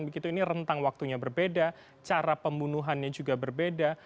begitu ini rentang waktunya berbeda cara pembunuhannya juga berbeda